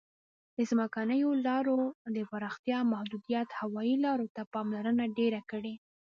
د ځمکنیو لارو د پراختیا محدودیت هوایي لارو ته پاملرنه ډېره کړې.